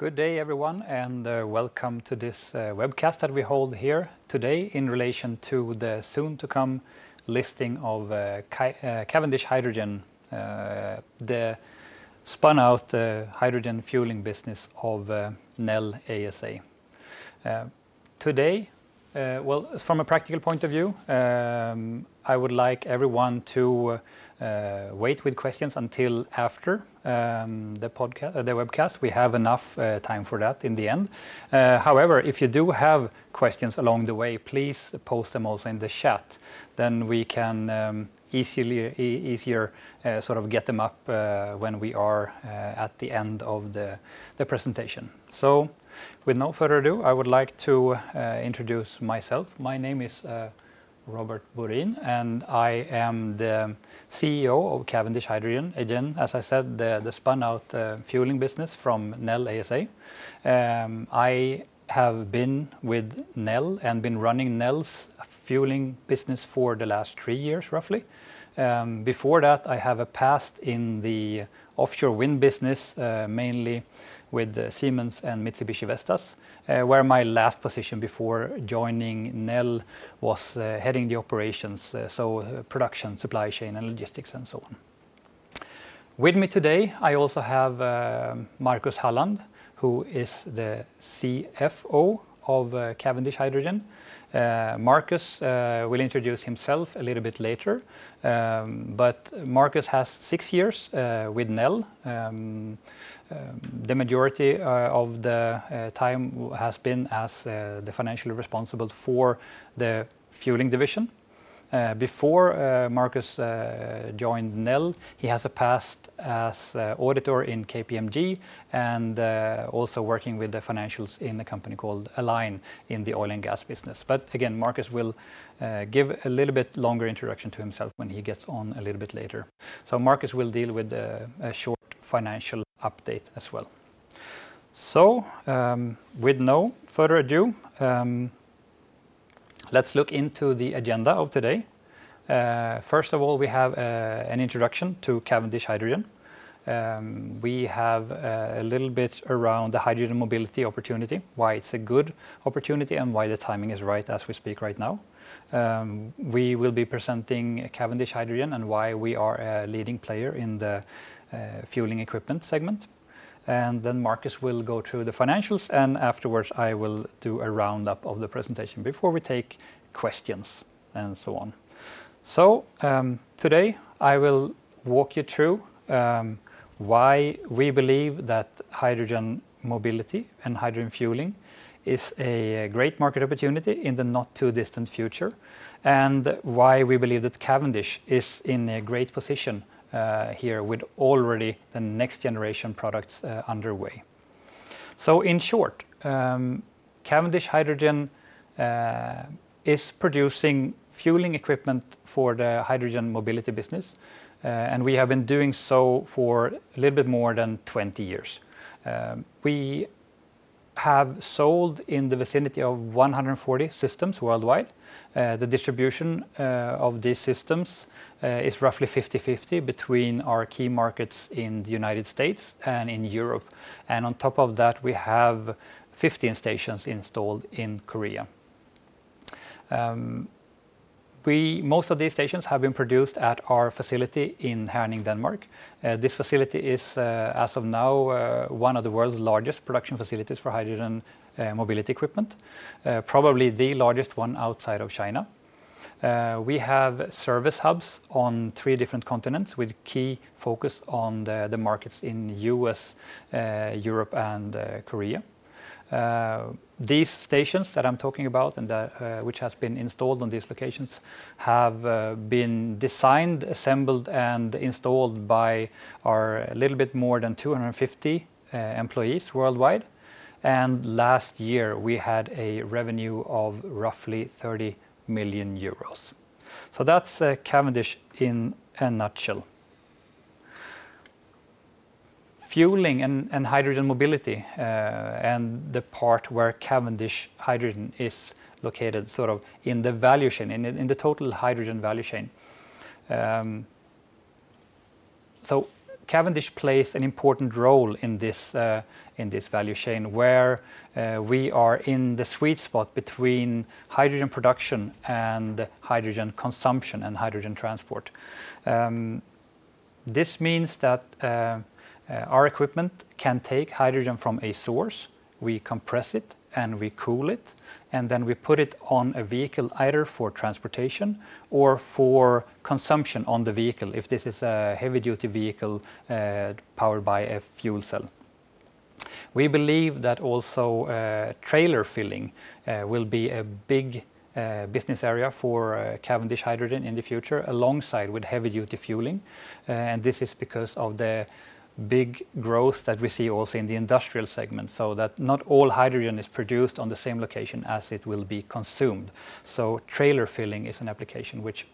Good day, everyone, and welcome to this webcast that we hold here today in relation to the soon to come listing of Cavendish Hydrogen, the spun-out hydrogen fueling business of Nel ASA. Today, well, from a practical point of view, I would like everyone to wait with questions until after the webcast. We have enough time for that in the end. However, if you do have questions along the way, please post them also in the chat, then we can easily easier sort of get them up when we are at the end of the presentation. So with no further ado, I would like to introduce myself. My name is Robert Borin, and I am the CEO of Cavendish Hydrogen. Again, as I said, the spun-out fueling business from Nel ASA. I have been with Nel and been running Nel's fueling business for the last three years, roughly. Before that, I have a past in the offshore wind business, mainly with Siemens and Mitsubishi Vestas, where my last position before joining Nel was heading the operations, so production, supply chain, and logistics, and so on. With me today, I also have Marcus Halland, who is the CFO of Cavendish Hydrogen. Marcus will introduce himself a little bit later. But Marcus has six years with Nel. The majority of the time has been as the financially responsible for the fueling division. Before Marcus joined Nel, he has a past as auditor in KPMG and also working with the financials in a company called Align in the oil and gas business. But again, Marcus will give a little bit longer introduction to himself when he gets on a little bit later. So Marcus will deal with a short financial update as well. So, with no further ado, let's look into the agenda of today. First of all, we have an introduction to Cavendish Hydrogen. We have a little bit around the hydrogen mobility opportunity, why it's a good opportunity, and why the timing is right as we speak right now. We will be presenting Cavendish Hydrogen and why we are a leading player in the fueling equipment segment. Then Marcus will go through the financials, and afterwards, I will do a roundup of the presentation before we take questions, and so on. So, today, I will walk you through why we believe that hydrogen mobility and hydrogen fueling is a great market opportunity in the not-too-distant future, and why we believe that Cavendish is in a great position here with already the next-generation products underway. So in short, Cavendish Hydrogen is producing fueling equipment for the hydrogen mobility business, and we have been doing so for a little bit more than 20 years. We have sold in the vicinity of 140 systems worldwide. The distribution of these systems is roughly 50/50 between our key markets in the United States and in Europe. On top of that, we have 15 stations installed in Korea. Most of these stations have been produced at our facility in Herning, Denmark. This facility is, as of now, one of the world's largest production facilities for hydrogen mobility equipment, probably the largest one outside of China. We have service hubs on three different continents, with key focus on the markets in U.S., Europe, and Korea. These stations that I'm talking about and which has been installed on these locations have been designed, assembled, and installed by our a little bit more than 250 employees worldwide. Last year, we had a revenue of roughly 30 million euros. So that's Cavendish in a nutshell. Fueling and hydrogen mobility, and the part where Cavendish Hydrogen is located, sort of in the value chain, in the total hydrogen value chain. So Cavendish plays an important role in this value chain, where we are in the sweet spot between hydrogen production and hydrogen consumption and hydrogen transport. This means that our equipment can take hydrogen from a source, we compress it, and we cool it, and then we put it on a vehicle, either for transportation or for consumption on the vehicle if this is a heavy-duty vehicle powered by a fuel cell. We believe that also trailer filling will be a big business area for Cavendish Hydrogen in the future, alongside with heavy-duty fueling. And this is because of the big growth that we see also in the industrial segment, so that not all hydrogen is produced on the same location as it will be consumed. Trailer filling is an application which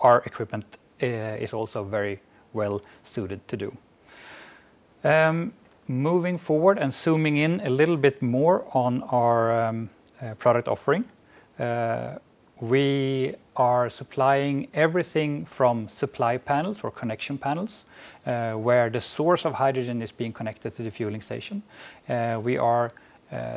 our equipment is also very well suited to do. Moving forward and zooming in a little bit more on our product offering, we are supplying everything from supply panels or connection panels, where the source of hydrogen is being connected to the fueling station. We are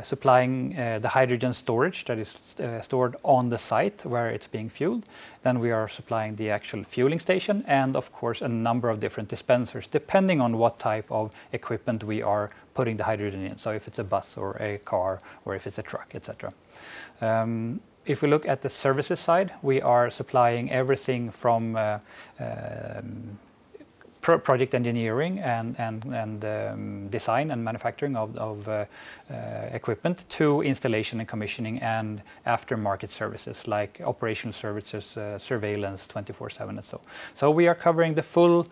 supplying the hydrogen storage that is stored on the site where it's being fueled, then we are supplying the actual fueling station and, of course, a number of different dispensers, depending on what type of equipment we are putting the hydrogen in, so if it's a bus or a car, or if it's a truck, etc. If we look at the services side, we are supplying everything from project engineering and design and manufacturing of equipment to installation and commissioning and after-market services, like operation services, surveillance 24/7 and so on. So we are covering the full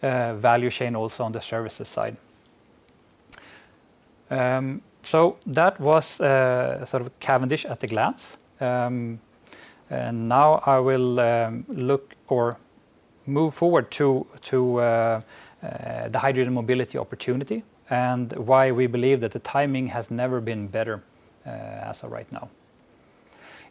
value chain also on the services side. So that was sort of Cavendish at a glance. And now I will move forward to the hydrogen mobility opportunity and why we believe that the timing has never been better, as of right now.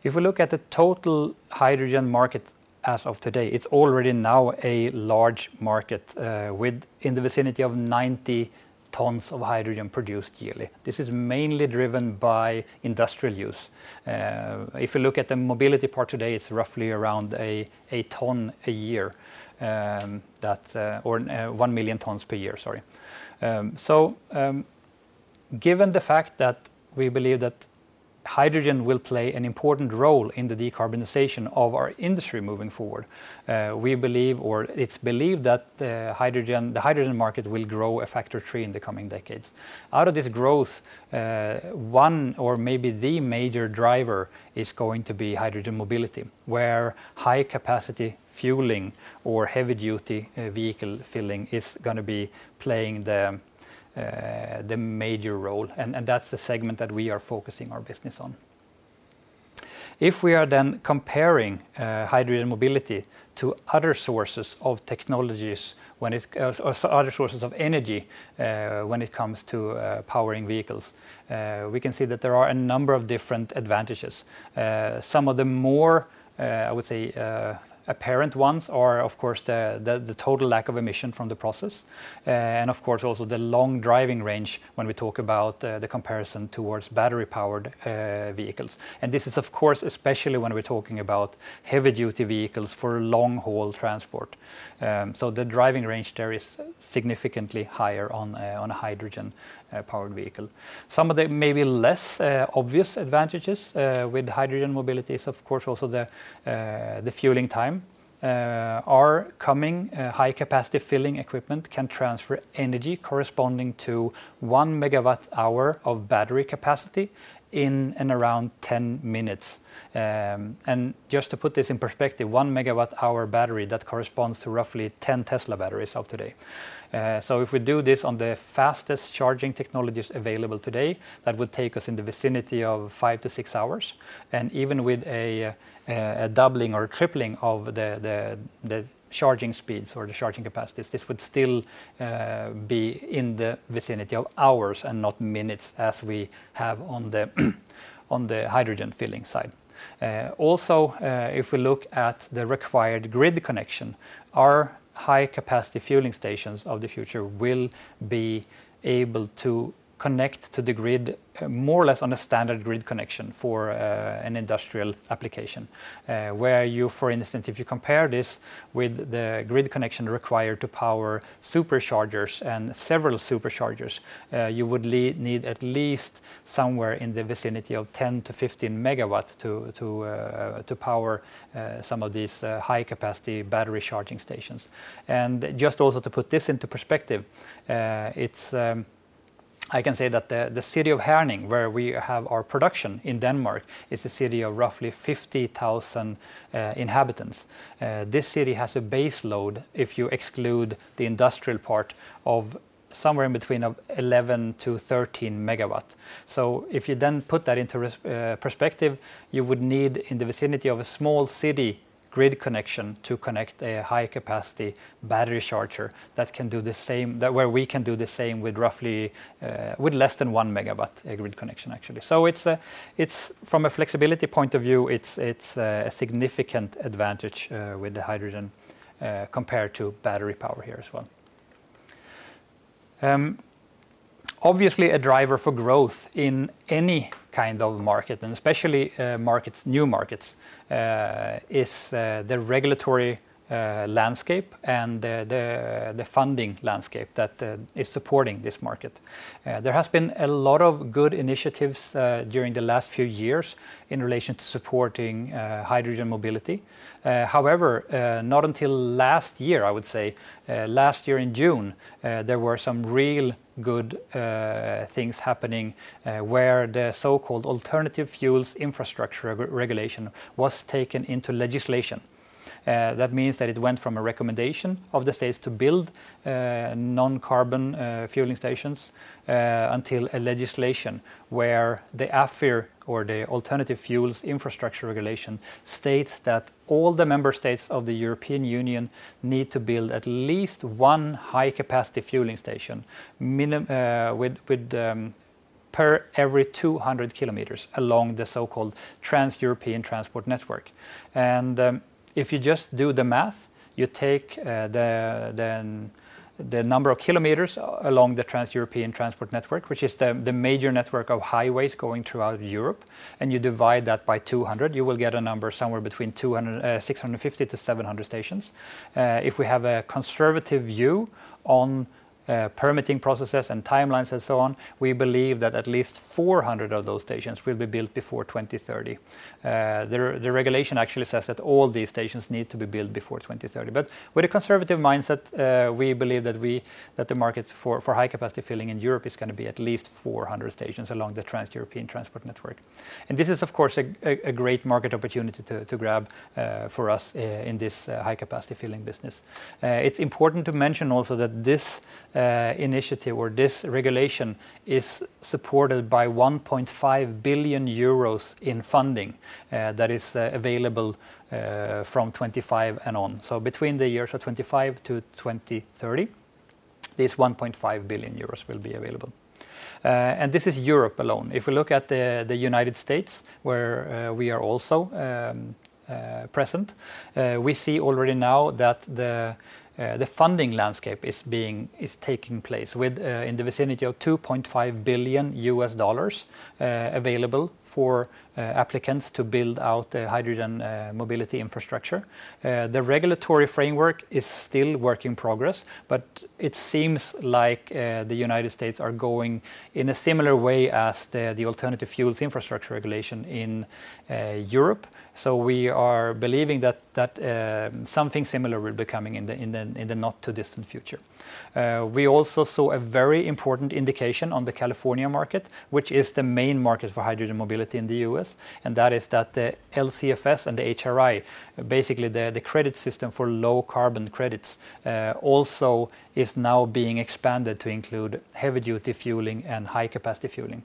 If we look at the total hydrogen market as of today, it's already now a large market, with in the vicinity of 90 tons of hydrogen produced yearly. This is mainly driven by industrial use. If you look at the mobility part today, it's roughly around a ton a year or one million tons per year, sorry. So, given the fact that we believe that hydrogen will play an important role in the decarbonization of our industry moving forward, we believe or it's believed that the hydrogen market will grow a factor of three in the coming decades. Out of this growth, one or maybe the major driver is going to be hydrogen mobility, where high-capacity fueling or heavy-duty vehicle filling is gonna be playing the major role, and that's the segment that we are focusing our business on. If we are then comparing hydrogen mobility to other sources of technologies or other sources of energy, when it comes to powering vehicles, we can see that there are a number of different advantages. Some of the more, I would say, apparent ones are, of course, the total lack of emission from the process, and of course, also the long driving range when we talk about the comparison towards battery-powered vehicles. This is, of course, especially when we're talking about heavy-duty vehicles for long-haul transport. So the driving range there is significantly higher on a hydrogen powered vehicle. Some of the maybe less obvious advantages with hydrogen mobility is, of course, also the fueling time. Our coming high-capacity filling equipment can transfer energy corresponding to 1 MWh of battery capacity in and around 10 minutes. Just to put this in perspective, 1 MWh battery, that corresponds to roughly 10 Tesla batteries of today. If we do this on the fastest charging technologies available today, that would take us in the vicinity of five to six hours, and even with a doubling or tripling of the charging speeds or the charging capacities, this would still be in the vicinity of hours and not minutes, as we have on the hydrogen filling side. Also, if we look at the required grid connection, our high-capacity fueling stations of the future will be able to connect to the grid more or less on a standard grid connection for an industrial application, where you, for instance, if you compare this with the grid connection required to power superchargers and several superchargers, you would need at least somewhere in the vicinity of 10-15 MW to power some of these high-capacity battery charging stations. And just also to put this into perspective, it's.... I can say that the city of Herning, where we have our production in Denmark, is a city of roughly 50,000 inhabitants. This city has a base load, if you exclude the industrial part, of somewhere in between 11-13 MW. So if you then put that into perspective, you would need in the vicinity of a small city grid connection to connect a high-capacity battery charger that can do the same, that where we can do the same with roughly, with less than 1 MW a grid connection, actually. So it's a, it's from a flexibility point of view, it's, it's, a significant advantage, with the hydrogen, compared to battery power here as well. Obviously, a driver for growth in any kind of market, and especially, markets, new markets, is, the regulatory, landscape and the, the, the funding landscape that, is supporting this market. There has been a lot of good initiatives, during the last few years in relation to supporting, hydrogen mobility. However, not until last year, I would say, last year in June, there were some real good things happening, where the so-called Alternative Fuels Infrastructure Regulation was taken into legislation. That means that it went from a recommendation of the states to build non-carbon fueling stations until a legislation where the AFIR, or the Alternative Fuels Infrastructure Regulation, states that all the member states of the European Union need to build at least one high-capacity fueling station per every 200 km along the so-called Trans-European Transport Network. If you just do the math, you take the number of kilometers along the Trans-European Transport Network, which is the major network of highways going throughout Europe, and you divide that by 200, you will get a number somewhere between 650-700 stations. If we have a conservative view on permitting processes and timelines and so on, we believe that at least 400 of those stations will be built before 2030. The regulation actually says that all these stations need to be built before 2030. But with a conservative mindset, we believe that the market for high capacity filling in Europe is gonna be at least 400 stations along the Trans-European Transport Network. This is, of course, a great market opportunity to grab, for us, in this high capacity filling business. It's important to mention also that this initiative or this regulation is supported by 1.5 billion euros in funding, that is available, from 2025 and on. So between the years of 2025-2030, this 1.5 billion euros will be available. This is Europe alone. If we look at the United States, where we are also present, we see already now that the funding landscape is taking place with, in the vicinity of $2.5 billion, available for applicants to build out the hydrogen mobility infrastructure. The regulatory framework is still work in progress, but it seems like the United States are going in a similar way as the Alternative Fuels Infrastructure Regulation in Europe. So we are believing that something similar will be coming in the not-too-distant future. We also saw a very important indication on the California market, which is the main market for hydrogen mobility in the U.S., and that is that the LCFS and the HRI, basically the credit system for low carbon credits, also is now being expanded to include heavy-duty fueling and high capacity fueling.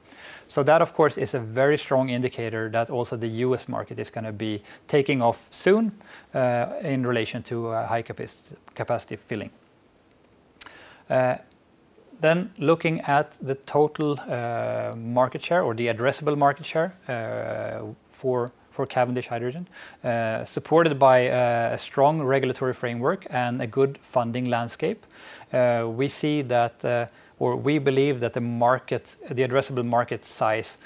So that, of course, is a very strong indicator that also the U.S. market is gonna be taking off soon, in relation to high capacity filling. Then looking at the total market share or the addressable market share for Cavendish Hydrogen, supported by a strong regulatory framework and a good funding landscape, we see that or we believe that the addressable market size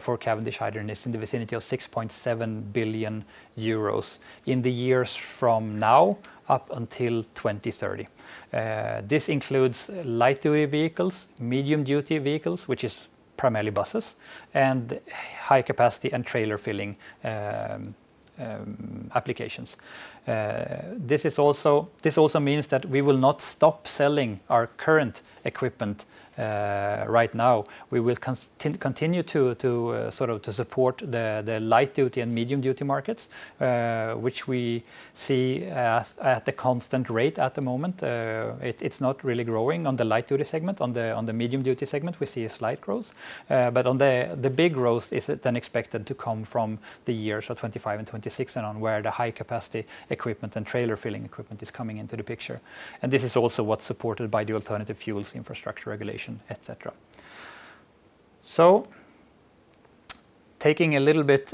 for Cavendish Hydrogen is in the vicinity of 6.7 billion euros in the years from now up until 2030. This includes light-duty vehicles, medium-duty vehicles, which is primarily buses, and high capacity and trailer filling applications. This also means that we will not stop selling our current equipment right now. We will continue to sort of support the light-duty and medium-duty markets, which we see as at a constant rate at the moment. It’s not really growing on the light-duty segment. On the medium-duty segment, we see a slight growth, but on the big growth is then expected to come from the years of 2025 and 2026, and on where the high-capacity equipment and trailer-filling equipment is coming into the picture. And this is also what's supported by the Alternative Fuels Infrastructure Regulation, etc. So taking a little bit,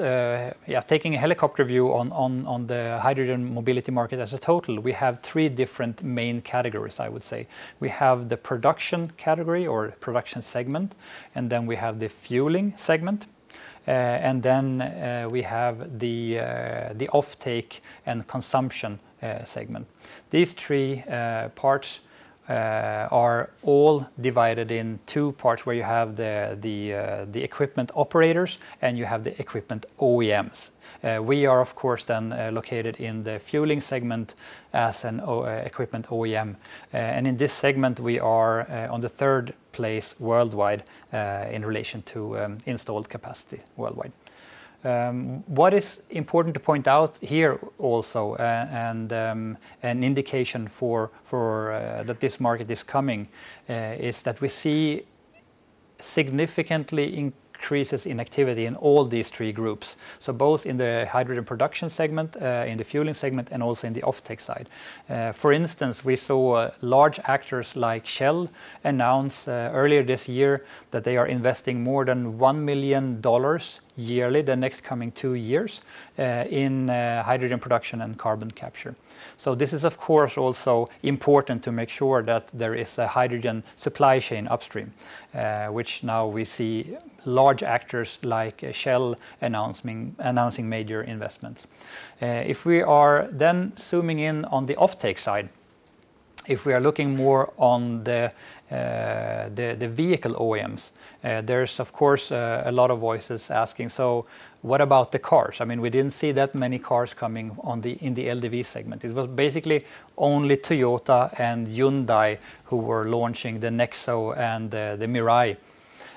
taking a helicopter view on the hydrogen mobility market as a total, we have three different main categories, I would say. We have the production category or production segment, and then we have the fueling segment, and then we have the offtake and consumption segment. These three parts are all divided in two parts, where you have the equipment operators and you have the equipment OEMs. We are, of course, then, located in the fueling segment as an O- equipment OEM, and in this segment, we are on the third place worldwide, in relation to installed capacity worldwide. What is important to point out here also, and an indication for that this market is coming, is that we see significantly increases in activity in all these three groups, so both in the hydrogen production segment, in the fueling segment, and also in the offtake side. For instance, we saw large actors like Shell announce earlier this year that they are investing more than $1 million yearly, the next coming two years, in hydrogen production and carbon capture. So this is, of course, also important to make sure that there is a hydrogen supply chain upstream, which now we see large actors like Shell announcing major investments. If we are then zooming in on the offtake side, if we are looking more on the vehicle OEMs, there's, of course, a lot of voices asking: "So what about the cars?" I mean, we didn't see that many cars coming on in the LDV segment. It was basically only Toyota and Hyundai who were launching the Nexo and the Mirai,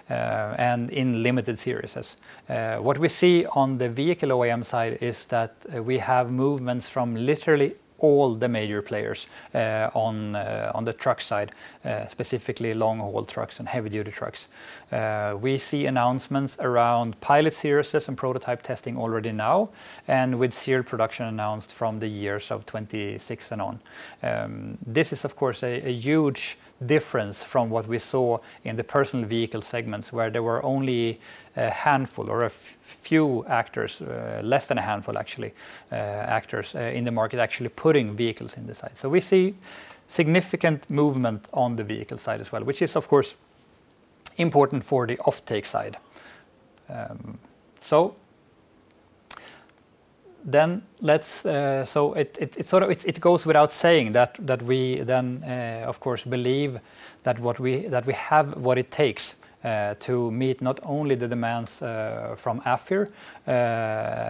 and in limited series. What we see on the vehicle OEM side is that we have movements from literally all the major players, on the truck side, specifically long-haul trucks and heavy-duty trucks. We see announcements around pilot series and prototype testing already now, and with serial production announced from the years of 2026 and on. This is, of course, a huge difference from what we saw in the personal vehicle segments, where there were only a handful or a few actors, less than a handful, actually, actors, in the market actually putting vehicles in the side. So we see significant movement on the vehicle side as well, which is, of course, important for the offtake side. It sort of goes without saying that we then, of course, believe that what we - that we have what it takes to meet not only the demands from AFIR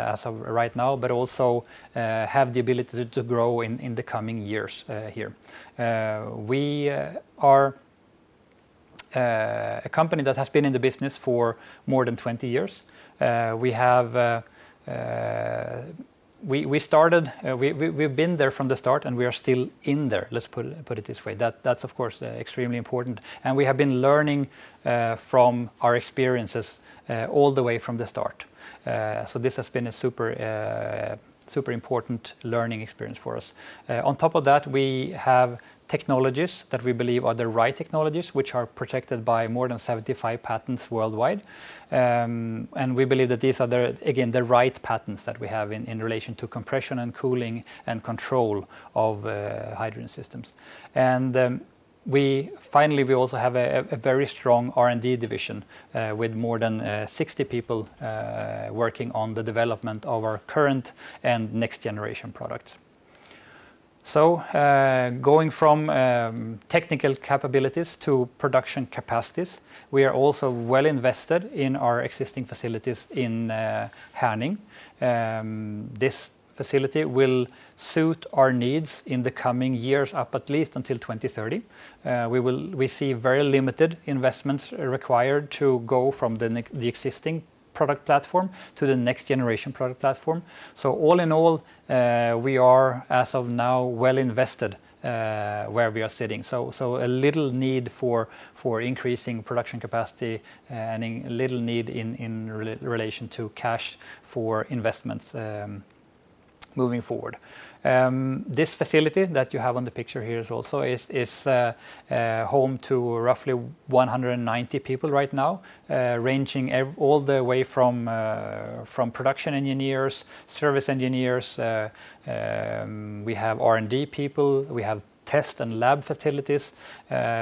as of right now, but also have the ability to grow in the coming years here. We are a company that has been in the business for more than 20 years. We have - we started, we've been there from the start, and we are still in there. Let's put it this way. That's, of course, extremely important, and we have been learning from our experiences all the way from the start. So this has been a super super important learning experience for us. On top of that, we have technologies that we believe are the right technologies, which are protected by more than 75 patents worldwide. And we believe that these are again the right patents that we have in relation to compression and cooling and control of hydrogen systems. And finally, we also have a very strong R&D division with more than 60 people working on the development of our current and next-generation products. So going from technical capabilities to production capacities, we are also well invested in our existing facilities in Herning. This facility will suit our needs in the coming years, up at least until 2030. We will receive very limited investments required to go from the existing product platform to the next-generation product platform. So all in all, we are, as of now, well invested, where we are sitting. So a little need for increasing production capacity and a little need in relation to cash for investments, moving forward. This facility that you have on the picture here is also home to roughly 190 people right now, ranging all the way from production engineers, service engineers, we have R&D people, we have test and lab facilities.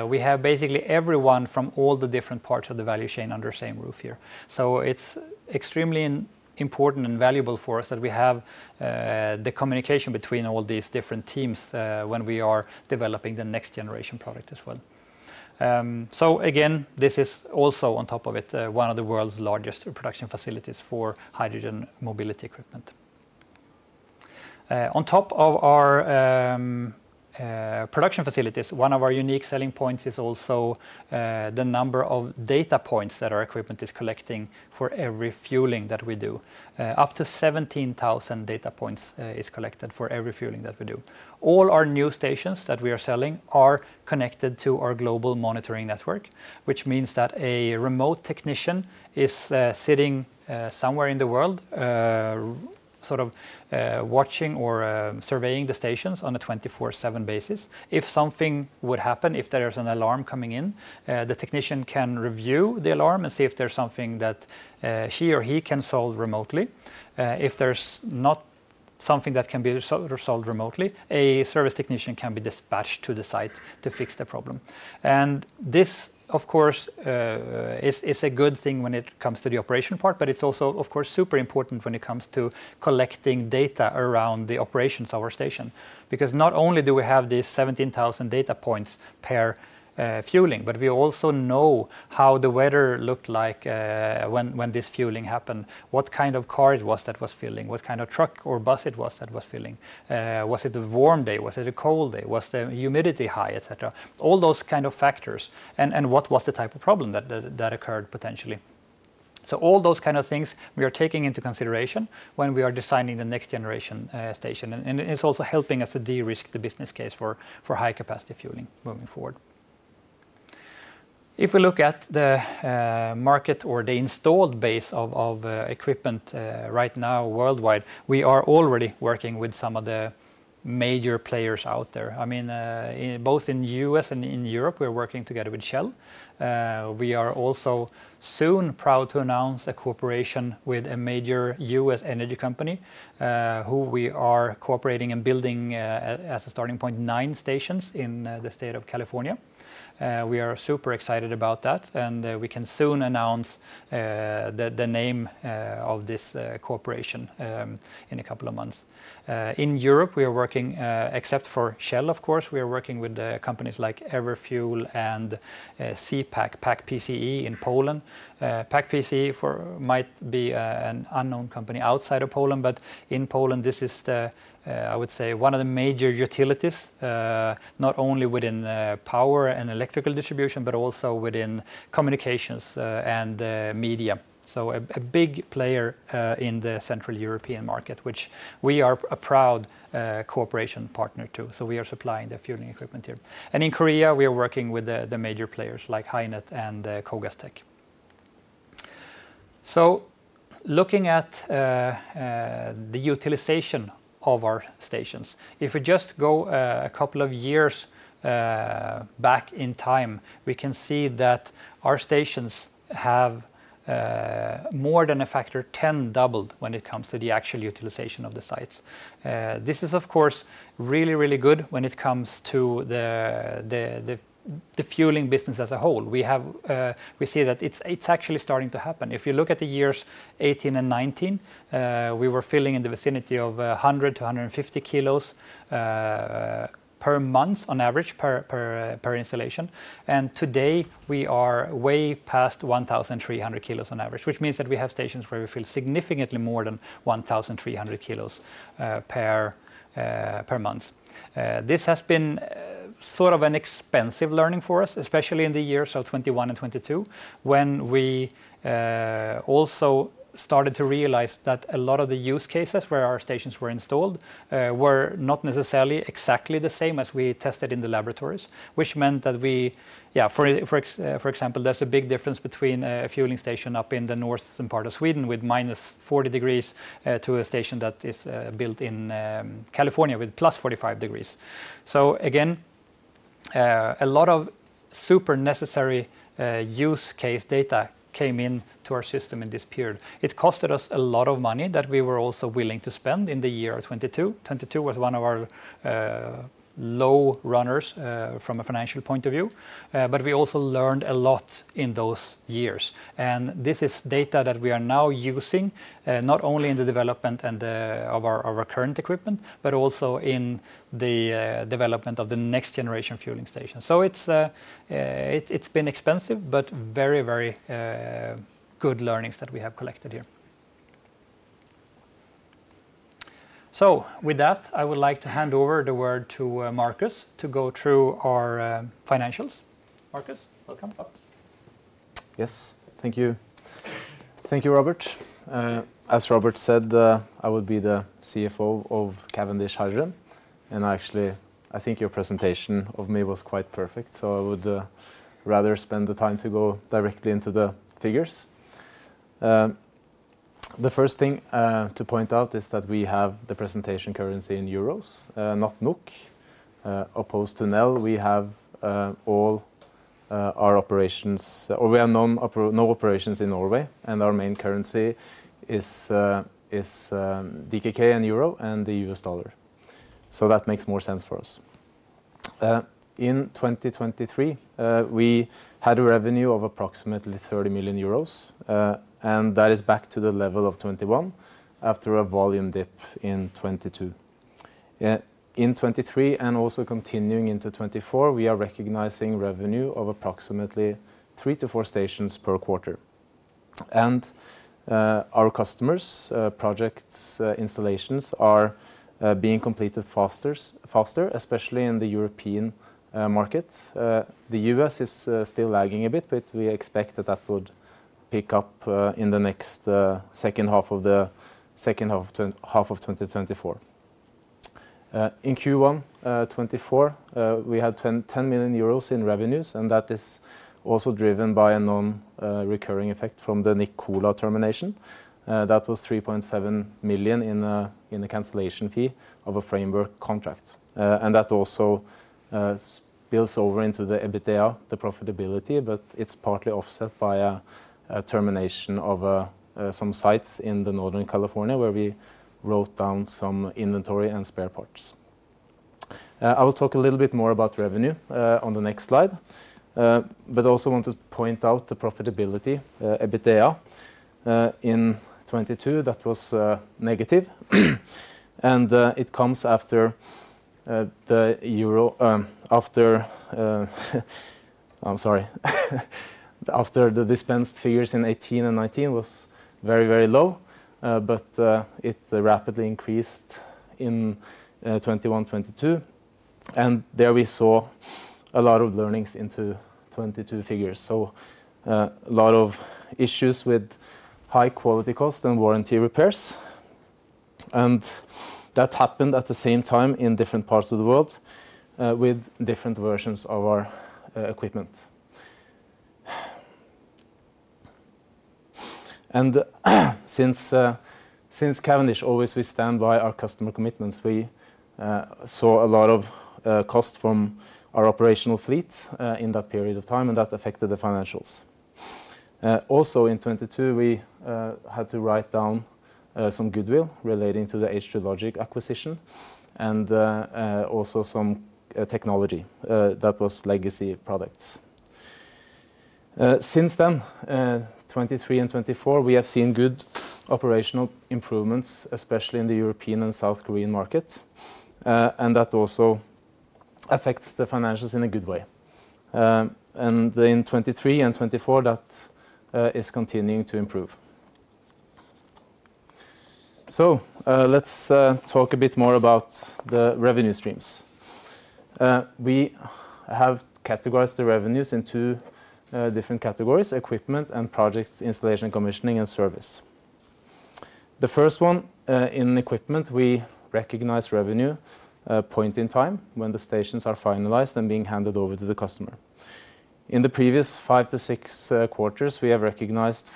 We have basically everyone from all the different parts of the value chain under the same roof here. So it's extremely important and valuable for us that we have the communication between all these different teams when we are developing the next-generation product as well. So again, this is also, on top of it, one of the world's largest production facilities for hydrogen mobility equipment. On top of our production facilities, one of our unique selling points is also the number of data points that our equipment is collecting for every refueling that we do. Up to 17,000 data points is collected for every refueling that we do. All our new stations that we are selling are connected to our global monitoring network, which means that a remote technician is sitting somewhere in the world, sort of watching or surveying the stations on a 24/7 basis. If something would happen, if there is an alarm coming in, the technician can review the alarm and see if there's something that she or he can solve remotely. If there's not something that can be resolved remotely, a service technician can be dispatched to the site to fix the problem. And this, of course, is a good thing when it comes to the operation part, but it's also, of course, super important when it comes to collecting data around the operations of our station. Because not only do we have these 17,000 data points per fueling, but we also know how the weather looked like when this fueling happened, what kind of car it was that was fueling, what kind of truck or bus it was that was fueling, was it a warm day? Was it a cold day? Was the humidity high, etc? All those kind of factors, and what was the type of problem that occurred potentially? So all those kind of things we are taking into consideration when we are designing the next-generation station. And it's also helping us to de-risk the business case for high-capacity fueling moving forward. If we look at the market or the installed base of equipment right now worldwide, we are already working with some of the major players out there. I mean, in both in U.S. and in Europe, we are working together with Shell. We are also soon proud to announce a cooperation with a major U.S. energy company, who we are cooperating and building, as a starting point, nine stations in the state of California. We are super excited about that, and we can soon announce the name of this cooperation in a couple of months. In Europe, we are working, except for Shell, of course, we are working with the companies like Everfuel and ZE PAK, PAK-PCE in Poland. PAK-PCE might be an unknown company outside of Poland, but in Poland, this is the, I would say, one of the major utilities, not only within power and electrical distribution, but also within communications and media. So a big player in the Central European market, which we are a proud cooperation partner to. So we are supplying the fueling equipment here. And in Korea, we are working with the major players like HyNet and KOGAS Tech. So looking at the utilization of our stations, if we just go a couple of years back in time, we can see that our stations have more than a factor ten doubled when it comes to the actual utilization of the sites. This is, of course, really, really good when it comes to the fueling business as a whole. We have, we see that it's actually starting to happen. If you look at the years 2018 and 2019, we were filling in the vicinity of 100-150 kilos per month on average per installation. And today, we are way past 1,300 kilos on average, which means that we have stations where we fill significantly more than 1,300 kilos per month. This has been sort of an expensive learning for us, especially in the year 2021 and 2022, when we also started to realize that a lot of the use cases where our stations were installed were not necessarily exactly the same as we tested in the laboratories. Which meant that we. Yeah, for example, there's a big difference between a fueling station up in the northern part of Sweden, with -40 degrees, to a station that is built in California, with +45 degrees. So again, a lot of super necessary use case data came in to our system in this period. It costed us a lot of money that we were also willing to spend in the year 2022. 2022 was one of our low runners from a financial point of view, but we also learned a lot in those years. This is data that we are now using not only in the development and the of our our current equipment, but also in the development of the next generation fueling station. It's it's been expensive, but very very good learnings that we have collected here. With that, I would like to hand over the word to Marcus, to go through our financials. Marcus, welcome up. Yes, thank you. Thank you, Robert. As Robert said, I would be the CFO of Cavendish Hydrogen, and actually, I think your presentation of me was quite perfect, so I would rather spend the time to go directly into the figures. The first thing to point out is that we have the presentation currency in euros, not NOK. Opposed to Nel, we have no operations in Norway, and our main currency is DKK and euro and the U.S. dollar. So that makes more sense for us. In 2023, we had a revenue of approximately 30 million euros, and that is back to the level of 2021, after a volume dip in 2022. In 2023 and also continuing into 2024, we are recognizing revenue of approximately three to four stations per quarter. And our customers' projects installations are being completed faster, especially in the European market. The U.S. is still lagging a bit, but we expect that would pick up in the second half of 2024. In Q1 2024, we had 10 million euros in revenues, and that is also driven by a non-recurring effect from the Nikola termination. That was 3.7 million in a cancellation fee of a framework contract. That also spills over into the EBITDA, the profitability, but it's partly offset by a termination of some sites in Northern California, where we wrote down some inventory and spare parts. I will talk a little bit more about revenue on the next slide, but also want to point out the profitability, EBITDA. In 2022, that was negative, and it comes after the euro. After, I'm sorry. After the dispensed figures in 2018 and 2019 was very, very low, but it rapidly increased in 2021, 2022. And there we saw a lot of learnings into 2022 figures. A lot of issues with high quality cost and warranty repairs, and that happened at the same time in different parts of the world with different versions of our equipment. Since Cavendish always we stand by our customer commitments, we saw a lot of cost from our operational fleet in that period of time, and that affected the financials. Also in 2022, we had to write down some goodwill relating to the H2 Logic acquisition and also some technology that was legacy products. Since then, 2023 and 2024, we have seen good operational improvements, especially in the European and South Korean market, and that also affects the financials in a good way. And in 2023 and 2024, that is continuing to improve. So, let's talk a bit more about the revenue streams. We have categorized the revenues in two different categories: equipment and projects, installation, commissioning, and service. The first one, in equipment, we recognize revenue point in time when the stations are finalized and being handed over to the customer. In the previous five to six quarters, we have recognized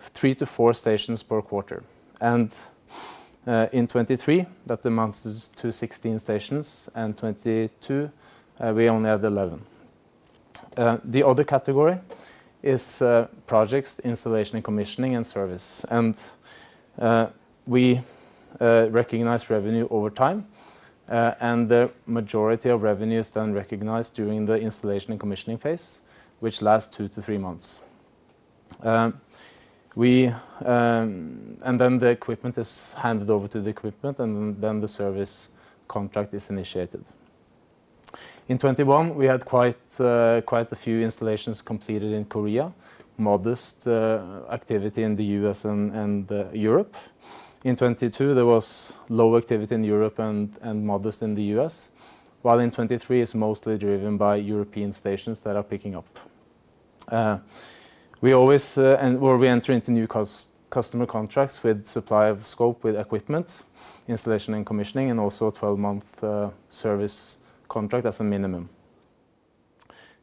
three to four stations per quarter. In 2023, that amounts to 16 stations, and 2022, we only had 11. The other category is projects, installation and commissioning, and service. And we recognize revenue over time, and the majority of revenue is then recognized during the installation and commissioning phase, which lasts two to three months. And then the equipment is handed over to the equipment, and then the service contract is initiated. In 2021, we had quite a few installations completed in Korea. Modest activity in the U.S. and Europe. In 2022, there was low activity in Europe and modest in the U.S., while in 2023, it's mostly driven by European stations that are picking up. We always... And where we enter into new customer contracts with supply of scope, with equipment, installation and commissioning, and also a 12-month service contract as a minimum.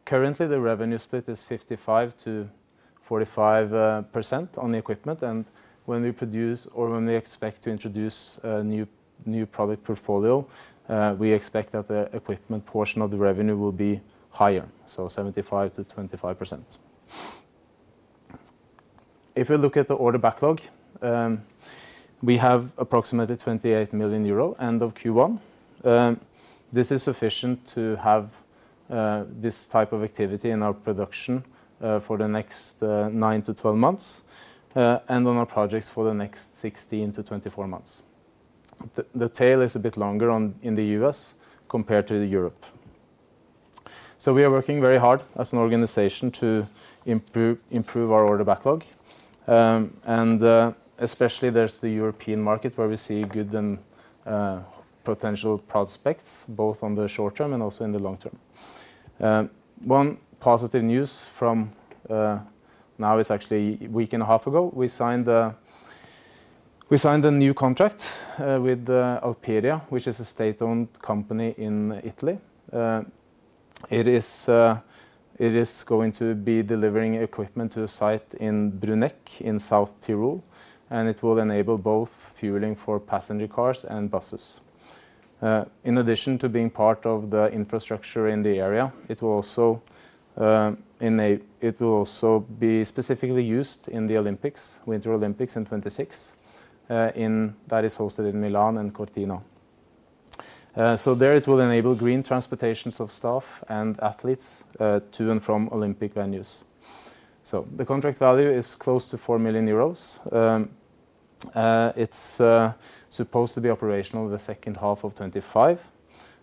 Currently, the revenue split is 55%-45% on the equipment, and when we produce or when we expect to introduce a new product portfolio, we expect that the equipment portion of the revenue will be higher, so 75%-25%. If you look at the order backlog, we have approximately 28 million euro end of Q1. This is sufficient to have this type of activity in our production for the next 9-12 months, and on our projects for the next 16-24 months. The tail is a bit longer in the U.S. compared to Europe. So we are working very hard as an organization to improve our order backlog. And especially there's the European market, where we see good and potential prospects, both on the short term and also in the long term. One positive news from now, it's actually a week and a half ago, we signed a new contract with Alperia, which is a state-owned company in Italy. It is going to be delivering equipment to a site in Bruneck, in South Tyrol, and it will enable both fueling for passenger cars and buses. In addition to being part of the infrastructure in the area, it will also be specifically used in the Olympics, Winter Olympics in 2026 that is hosted in Milan and Cortina. So there it will enable green transportations of staff and athletes to and from Olympic venues. So the contract value is close to EUR 4 million. It's supposed to be operational the second half of 2025,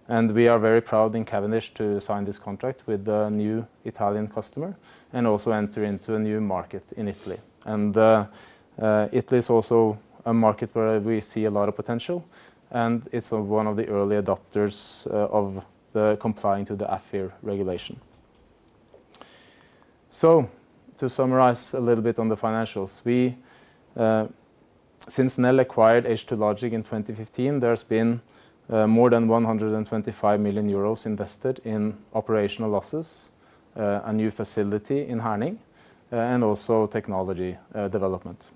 and we are very proud in Cavendish to sign this contract with the new Italian customer and also enter into a new market in Italy. Italy is also a market where we see a lot of potential, and it's one of the early adopters of the complying to the AFIR regulation. So to summarize a little bit on the financials, we... Since Nel acquired H2 Logic in 2015, there's been more than 125 million euros invested in operational losses, a new facility in Herning, and also technology development.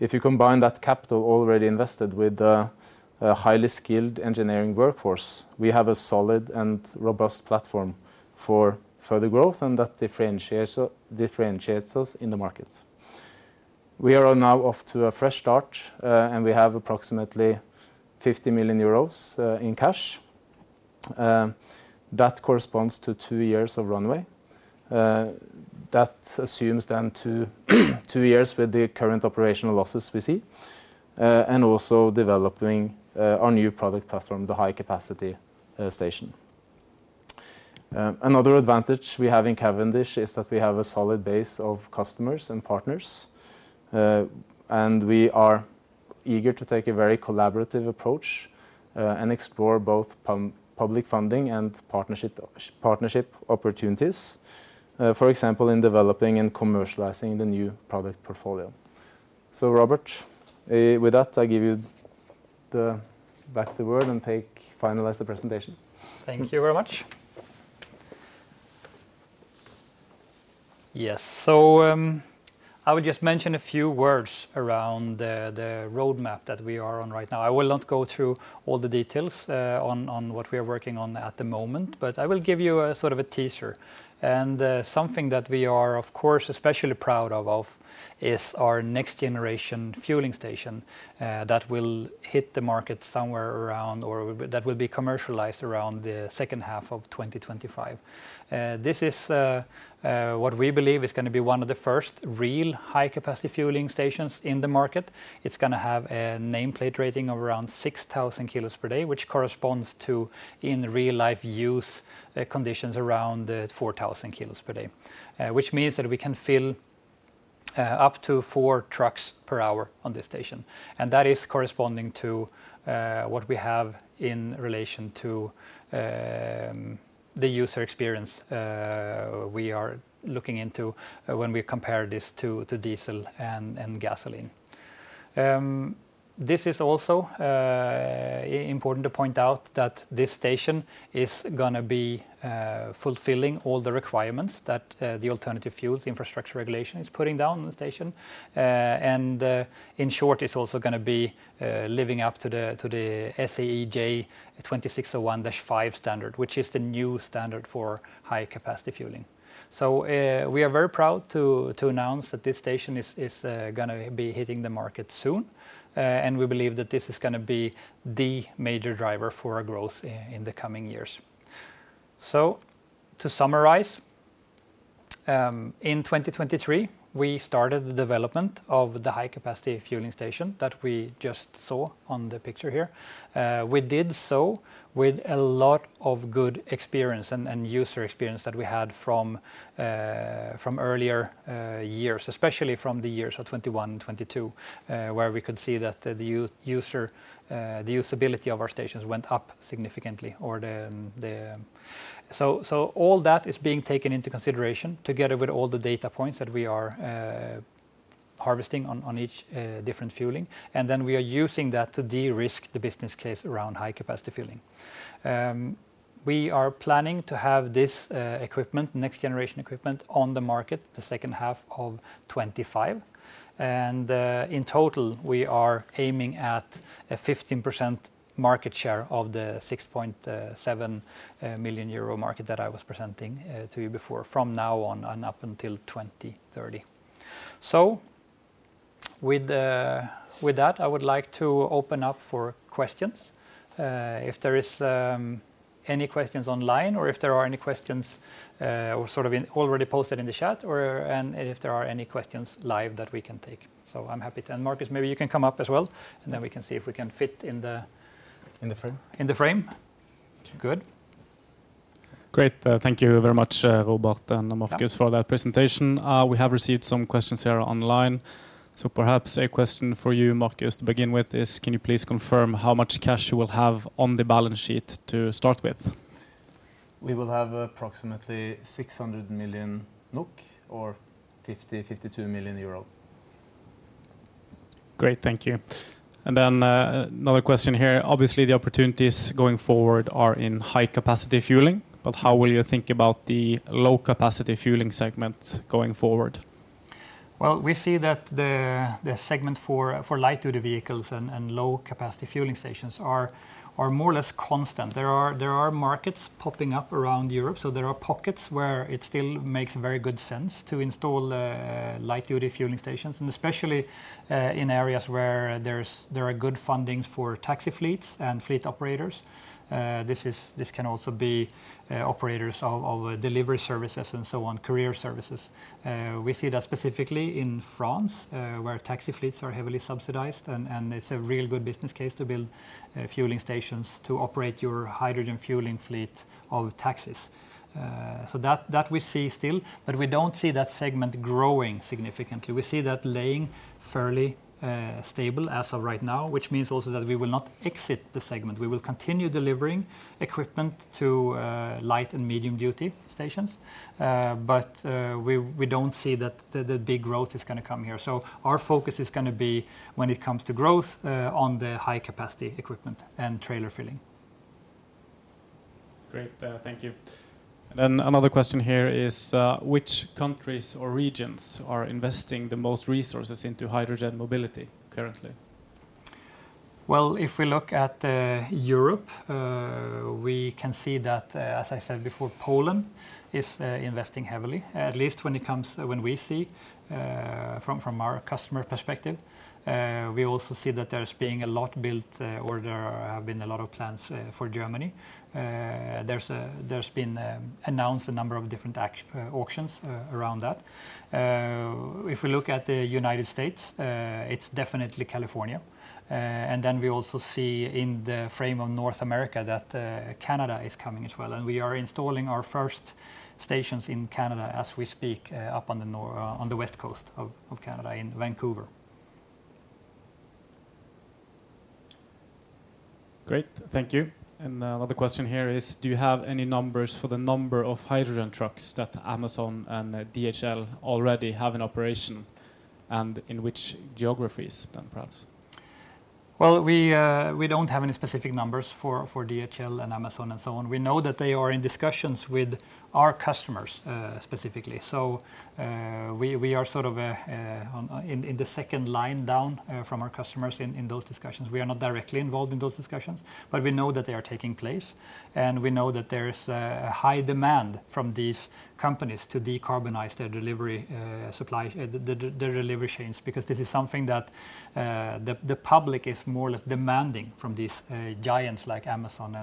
If you combine that capital already invested with a highly skilled engineering workforce, we have a solid and robust platform for further growth, and that differentiates us in the market. We are now off to a fresh start, and we have approximately 50 million euros in cash. That corresponds to two years of runway. That assumes then two, two years with the current operational losses we see, and also developing our new product platform, the high-capacity station. Another advantage we have in Cavendish is that we have a solid base of customers and partners, and we are eager to take a very collaborative approach, and explore both public funding and partnership opportunities, for example, in developing and commercializing the new product portfolio. So Robert, with that, I give you back the word and finalize the presentation. Thank you very much. Yes, so, I would just mention a few words around the roadmap that we are on right now. I will not go through all the details on what we are working on at the moment, but I will give you a sort of a teaser. Something that we are of course especially proud of is our next-generation fueling station that will hit the market somewhere around or that will be commercialized around the second half of 2025. This is what we believe is gonna be one of the first real high-capacity fueling stations in the market. It's gonna have a nameplate rating of around 6,000 kilos per day, which corresponds to, in real-life use, conditions around 4,000 kilos per day. Which means that we can fill up to four trucks per hour on this station, and that is corresponding to what we have in relation to the user experience we are looking into when we compare this to diesel and gasoline. This is also important to point out that this station is gonna be fulfilling all the requirements that the Alternative Fuels Infrastructure Regulation is putting down on the station. And in short, it's also gonna be living up to the SAE J2601-5 standard, which is the new standard for high-capacity fueling. So, we are very proud to announce that this station is gonna be hitting the market soon. And we believe that this is gonna be the major driver for our growth in the coming years. So to summarize, in 2023, we started the development of the high-capacity fueling station that we just saw on the picture here. We did so with a lot of good experience and user experience that we had from earlier years, especially from the years of 2021 and 2022, where we could see that the usability of our stations went up significantly, or the. So all that is being taken into consideration together with all the data points that we are harvesting on each different fueling, and then we are using that to de-risk the business case around high-capacity fueling. We are planning to have this equipment, next generation equipment, on the market the second half of 2025. In total, we are aiming at a 15% market share of the 6.7 million euro market that I was presenting to you before, from now on and up until 2030. So with that, I would like to open up for questions. If there is any questions online or if there are any questions, or sort of in already posted in the chat or, and if there are any questions live that we can take. So I'm happy to— And Marcus, maybe you can come up as well, and then we can see if we can fit in the- In the frame. In the frame. Good. Great. Thank you very much, Robert and Marcus for that presentation. We have received some questions here online. So perhaps a question for you, Marcus, to begin with, is can you please confirm how much cash you will have on the balance sheet to start with? We will have approximately 600 million NOK, or 52 million euro. Great, thank you. And then, another question here. Obviously, the opportunities going forward are in high-capacity fueling, but how will you think about the low-capacity fueling segment going forward? Well, we see that the segment for light-duty vehicles and low-capacity fueling stations are more or less constant. There are markets popping up around Europe, so there are pockets where it still makes very good sense to install light-duty fueling stations, and especially in areas where there are good funding for taxi fleets and fleet operators. This can also be operators of delivery services and so on, courier services. We see that specifically in France, where taxi fleets are heavily subsidized, and it's a real good business case to build fueling stations to operate your hydrogen fueling fleet of taxis. So that we see still, but we don't see that segment growing significantly. We see that lying fairly stable as of right now, which means also that we will not exit the segment. We will continue delivering equipment to light- and medium-duty stations. But we don't see that the big growth is gonna come here. So our focus is gonna be when it comes to growth on the high-capacity equipment and trailer filling. Great, thank you. And then another question here is, which countries or regions are investing the most resources into hydrogen mobility currently? Well, if we look at Europe, we can see that, as I said before, Poland is investing heavily, at least when it comes—when we see from our customer perspective. We also see that there's being a lot built, or there have been a lot of plans for Germany. There's been announced a number of different auctions around that. If we look at the United States, it's definitely California. And then we also see in the frame of North America that Canada is coming as well, and we are installing our first stations in Canada as we speak, up on the west coast of Canada, in Vancouver. Great. Thank you. And another question here is, do you have any numbers for the number of hydrogen trucks that Amazon and DHL already have in operation, and in which geographies, then perhaps? Well, we don't have any specific numbers for DHL and Amazon and so on. We know that they are in discussions with our customers, specifically. So, we are sort of in the second line down from our customers in those discussions. We are not directly involved in those discussions, but we know that they are taking place, and we know that there is a high demand from these companies to decarbonize their delivery supply, the delivery chains, because this is something that the public is more or less demanding from these giants like Amazon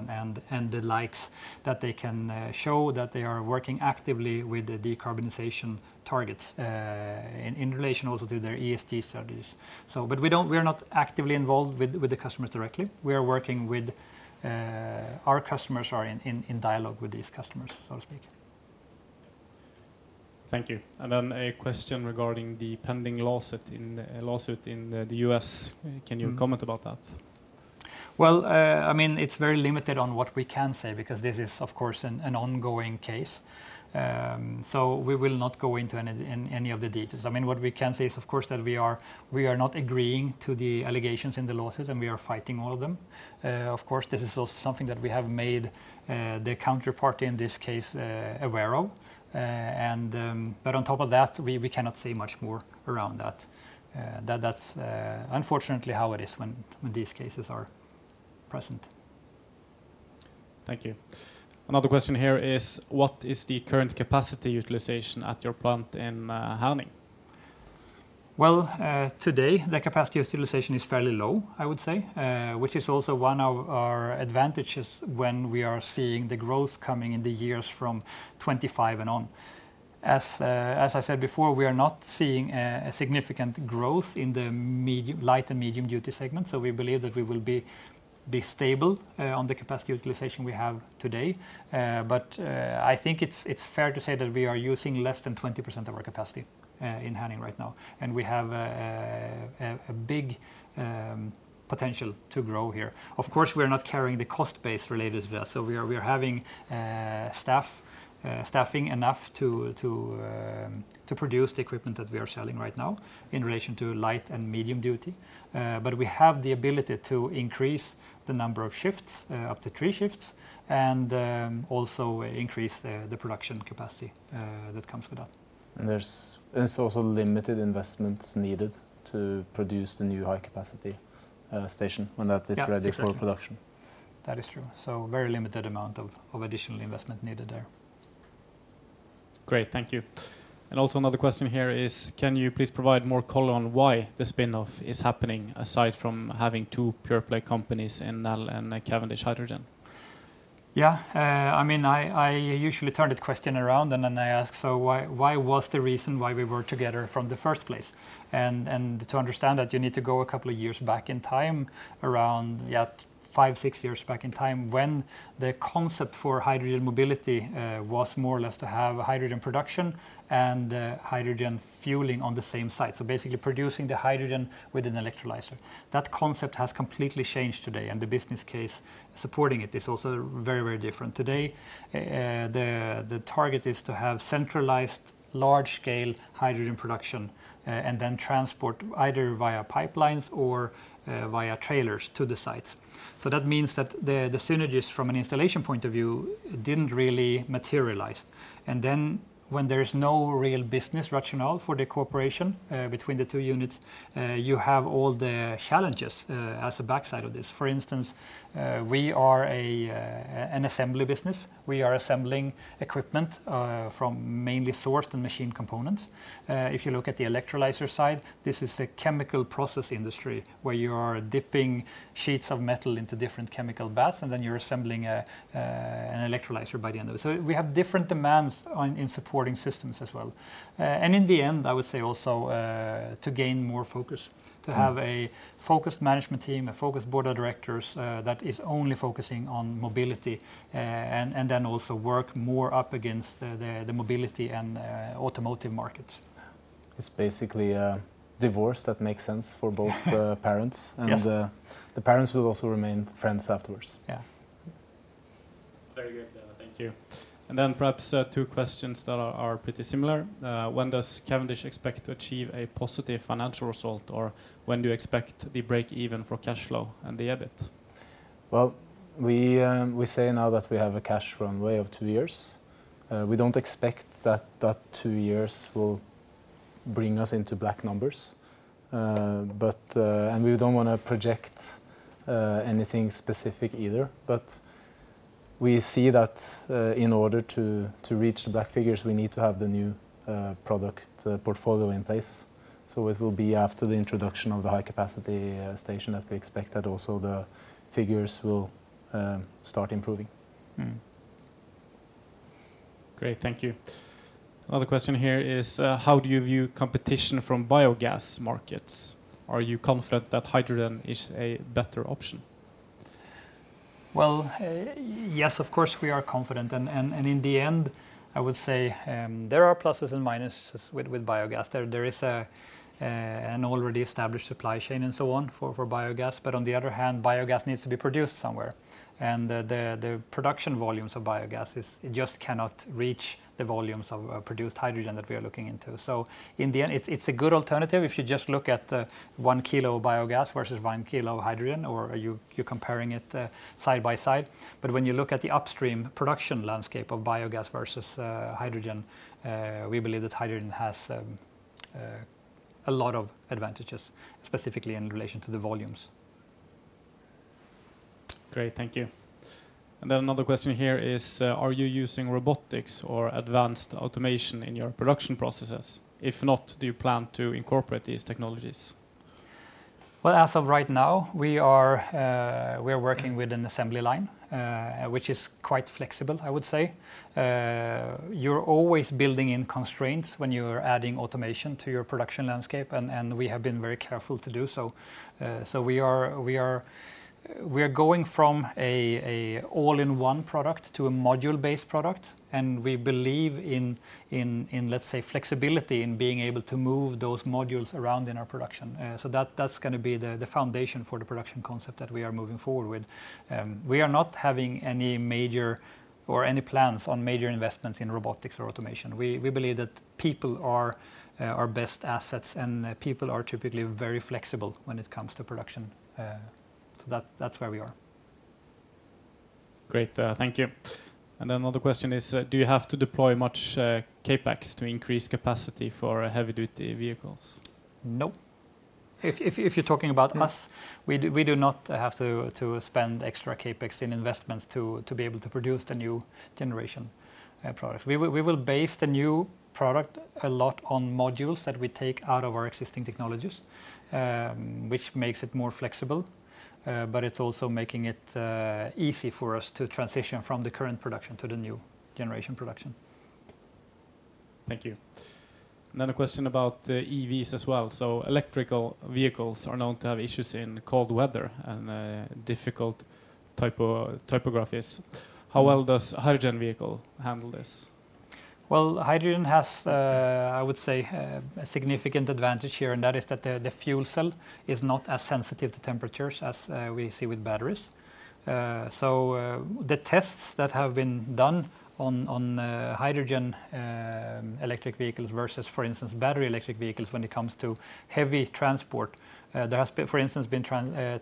and the likes, that they can show that they are working actively with the decarbonization targets, in relation also to their ESG strategies. But we are not actively involved with the customers directly. We are working with... Our customers are in dialogue with these customers, so to speak. Thank you. And then a question regarding the pending lawsuit in the U.S., can you comment about that? Well, I mean, it's very limited on what we can say, because this is, of course, an ongoing case. So we will not go into any of the details. I mean, what we can say is, of course, that we are not agreeing to the allegations in the lawsuits, and we are fighting all of them. Of course, this is also something that we have made the counterparty in this case aware of. But on top of that, we cannot say much more around that. That's unfortunately how it is when these cases are present. Thank you. Another question here is: What is the current capacity utilization at your plant in Herning? Well, today, the capacity utilization is fairly low, I would say, which is also one of our advantages when we are seeing the growth coming in the years from 2025 and on. As, as I said before, we are not seeing a significant growth in the light and medium-duty segment, so we believe that we will be stable on the capacity utilization we have today. But, I think it's fair to say that we are using less than 20% of our capacity in Herning right now, and we have a big potential to grow here. Of course, we are not carrying the cost base related as well. So we are having staffing enough to produce the equipment that we are selling right now in relation to light and medium duty. But we have the ability to increase the number of shifts up to three shifts, and also increase the production capacity that comes with that. There's also limited investments needed to produce the new high-capacity station when that is- Yeah, exactly... ready for production. That is true. So very limited amount of additional investment needed there. Great, thank you. Also another question here is: Can you please provide more color on why the spin-off is happening, aside from having two pure-play companies in Nel and Cavendish Hydrogen? Yeah. I mean, I usually turn the question around, and then I ask, "So why, why was the reason why we were together from the first place?" And to understand that, you need to go a couple of years back in time, around, yeah, five, six years back in time, when the concept for hydrogen mobility was more or less to have hydrogen production and hydrogen fueling on the same site. So basically producing the hydrogen with an electrolyzer. That concept has completely changed today, and the business case supporting it is also very, very different. Today, the target is to have centralized, large-scale hydrogen production, and then transport either via pipelines or via trailers to the sites. So that means that the synergies from an installation point of view didn't really materialize. When there is no real business rationale for the cooperation between the two units, you have all the challenges as a backside of this. For instance, we are an assembly business. We are assembling equipment from mainly sourced and machine components. If you look at the electrolyzer side, this is a chemical process industry where you are dipping sheets of metal into different chemical baths, and then you're assembling an electrolyzer by the end of it. So we have different demands on, in supporting systems as well. And in the end, I would say also, to gain more focus, to have a focused management team, a focused board of directors that is only focusing on mobility, and then also work more up against the mobility and automotive markets. It's basically a divorce that makes sense for both parents. Yes And the parents will also remain friends afterwards. Yeah. Very good. Thank you. And then perhaps, two questions that are pretty similar. When does Cavendish expect to achieve a positive financial result, or when do you expect the break-even for cash flow and the EBIT? Well, we, we say now that we have a cash runway of two years. We don't expect that that two years will bring us into black numbers. But, and we don't wanna project anything specific either. But we see that, in order to, to reach the black figures, we need to have the new, product, portfolio in place. So it will be after the introduction of the high-capacity, station that we expect that also the figures will, start improving. Great, thank you. Another question here is: How do you view competition from biogas markets? Are you confident that hydrogen is a better option? Well, yes, of course, we are confident, and in the end, I would say, there are pluses and minuses with biogas. There is an already established supply chain and so on, for biogas. But on the other hand, biogas needs to be produced somewhere, and the production volumes of biogas is, it just cannot reach the volumes of produced hydrogen that we are looking into. So in the end, it's a good alternative if you just look at one kilo of biogas versus one kilo of hydrogen, or if you're comparing it side by side. But when you look at the upstream production landscape of biogas versus hydrogen, we believe that hydrogen has a lot of advantages, specifically in relation to the volumes. Great, thank you. And then another question here is: Are you using robotics or advanced automation in your production processes? If not, do you plan to incorporate these technologies? Well, as of right now, we are working with an assembly line, which is quite flexible, I would say. You're always building in constraints when you are adding automation to your production landscape, and we have been very careful to do so. So we are going from an all-in-one product to a module-based product, and we believe in, let's say, flexibility in being able to move those modules around in our production. So that, that's gonna be the foundation for the production concept that we are moving forward with. We are not having any major or any plans on major investments in robotics or automation. We believe that people are our best assets, and people are typically very flexible when it comes to production solutions. So that, that's where we are. Great, thank you. Another question is, do you have to deploy much CapEx to increase capacity for heavy-duty vehicles? Nope. If you're talking about mass we do not have to spend extra CapEx in investments to be able to produce the new generation products. We will base the new product a lot on modules that we take out of our existing technologies, which makes it more flexible. But it's also making it easy for us to transition from the current production to the new generation production. Thank you. Another question about EVs as well. So electric vehicles are known to have issues in cold weather and difficult topographies. How well does a hydrogen vehicle handle this? Well, hydrogen has, I would say, a significant advantage here, and that is that the, the fuel cell is not as sensitive to temperatures as, we see with batteries. So, the tests that have been done on, on, hydrogen, electric vehicles versus, for instance, battery electric vehicles when it comes to heavy transport, there has been, for instance,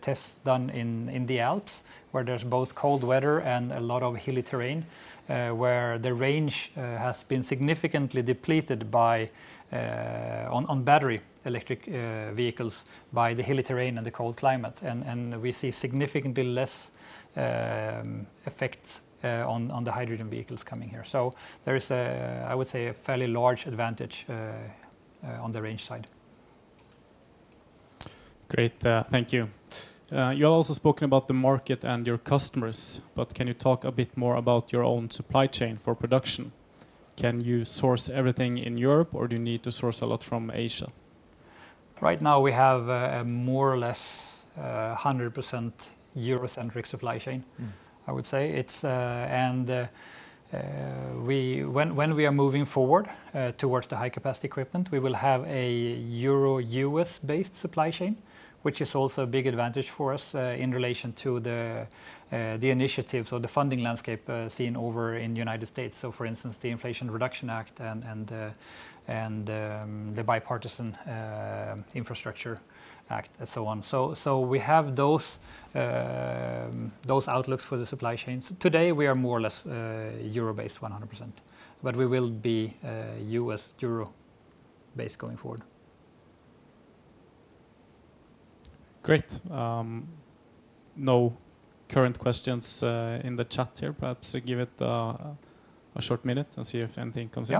tests done in, in the Alps, where there's both cold weather and a lot of hilly terrain, where the range, has been significantly depleted by, on, on battery electric, vehicles, by the hilly terrain and the cold climate. And we see significantly less, effects, on, on the hydrogen vehicles coming here. So there is a, I would say, a fairly large advantage, on the range side. Great, thank you. You've also spoken about the market and your customers, but can you talk a bit more about your own supply chain for production? Can you source everything in Europe, or do you need to source a lot from Asia? Right now, we have a more or less, 100% Euro-centric supply chain, I would say. It's. And when we are moving forward towards the high-capacity equipment, we will have a Euro-U.S.-based supply chain, which is also a big advantage for us in relation to the initiatives or the funding landscape seen over in the United States, so for instance, the Inflation Reduction Act and the Bipartisan Infrastructure Act, and so on. So we have those outlooks for the supply chains. Today, we are more or less Euro-based 100%, but we will be U.S.-Euro-based going forward. Great. No current questions in the chat here. Perhaps give it a short minute and see if anything comes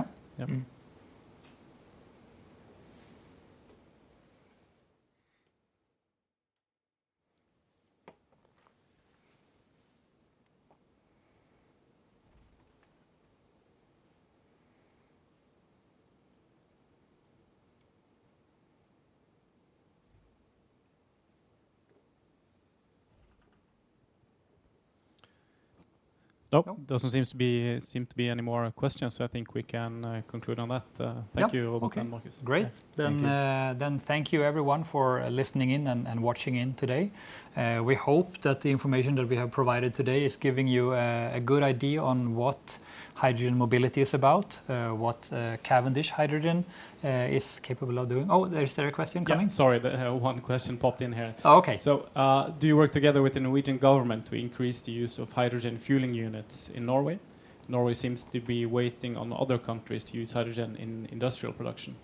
up. Yeah. Yeah. Nope- Nope Doesn't seem to be any more questions, so I think we can conclude on that. Yep. Thank you, Robert and Marcus. Great. Thank you. Then, thank you, everyone, for listening in and watching in today. We hope that the information that we have provided today is giving you a good idea on what hydrogen mobility is about, what Cavendish Hydrogen is capable of doing. Oh, is there a question coming? Yeah, sorry, one question popped in here. Oh, okay. Do you work together with the Norwegian government to increase the use of hydrogen fueling units in Norway? Norway seems to be waiting on other countries to use hydrogen in industrial production.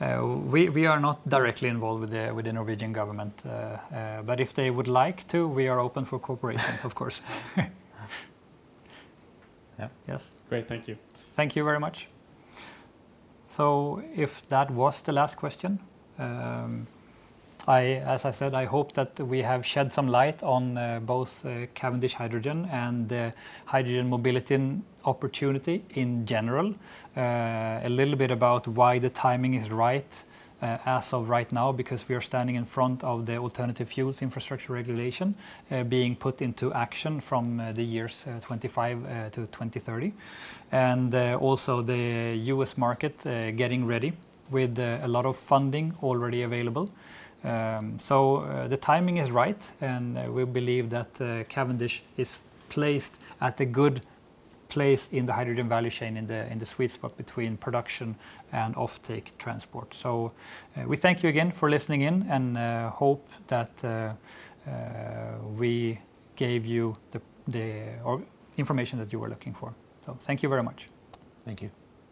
We are not directly involved with the Norwegian government, but if they would like to, we are open for cooperation, of course. Yeah. Yes. Great. Thank you. Thank you very much. So if that was the last question, I, as I said, I hope that we have shed some light on both Cavendish Hydrogen and the hydrogen mobility opportunity in general. A little bit about why the timing is right, as of right now, because we are standing in front of the Alternative Fuels Infrastructure Regulation being put into action from 2025 to 2030. Also the U.S. market getting ready with a lot of funding already available. So the timing is right, and we believe that Cavendish is placed at a good place in the hydrogen value chain, in the sweet spot between production and offtake transport. So, we thank you again for listening in and hope that we gave you the information that you were looking for. So thank you very much. Thank you.